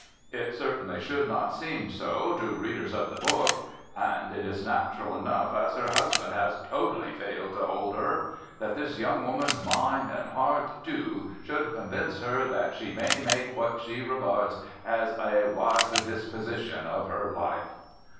It certainly should not seem so to readers of the book. And it is natural enough, as her husband has totally failed to hold her, that this young woman's mind, and heart, too, should convince her that she may make what she regards as a wiser disposition of her life.